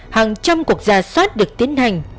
hàng trăm quốc gia soát được tiến hành